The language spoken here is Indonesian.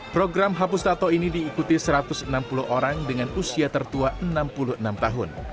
program hapus tato ini diikuti satu ratus enam puluh orang dengan usia tertua enam puluh enam tahun